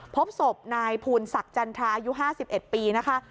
พบศพนายภูลศักดิ์จันทราอายุ๕๑ปีนะคะ